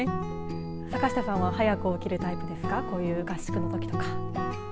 坂下さんは早く起きるタイプですかこういう合宿のときとか。